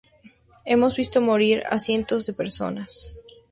hemos visto morir a... a cientos de personas.